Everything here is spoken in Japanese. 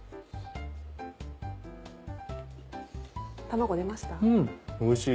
卵出ました？